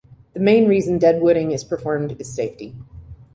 The main reason deadwooding is performed is safety.